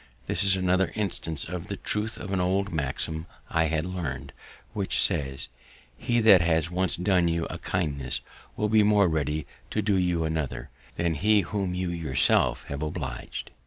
This is another instance of the truth of an old maxim I had learned, which says, _"He that has once done you a kindness will be more ready to do you another, than he whom you yourself have obliged."